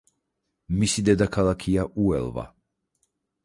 მისი დედაქალაქია უელვა.